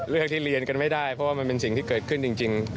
เลือกที่เรียนกันไม่ได้เพราะว่ามันเป็นสิ่งที่เกิดขึ้นจริง